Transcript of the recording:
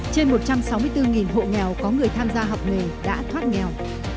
trên một trăm sáu mươi bốn hộ nghèo có người tham gia học nghề đã thoát nghèo